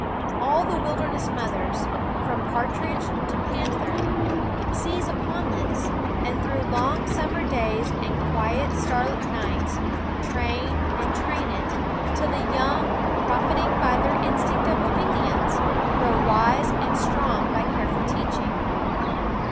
All the wil derness mothers, from partridge to panther, /^ W SCHOOL OF seize upon this and through long summer On /h lifov ^ a y s anc *^^ staru 't nights train and train y un g> profiting by their instinct of obedience, grow wise and strong by careful teaching.